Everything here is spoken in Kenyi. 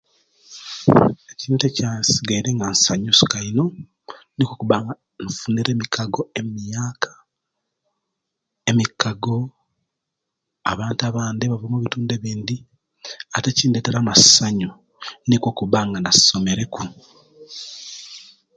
Ekintu ekyansigaire nga insanyuka ino nikwo okuna nga basunire emikago emiyaka emikago abantu abandi abazuwa mubitundu ebindi ate kindetera amasanyu nikwo okuba nga basomere ku